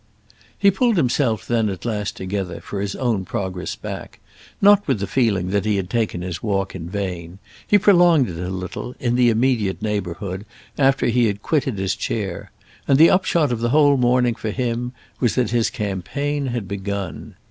He pulled himself then at last together for his own progress back; not with the feeling that he had taken his walk in vain. He prolonged it a little, in the immediate neighbourhood, after he had quitted his chair; and the upshot of the whole morning for him was that his campaign had begun.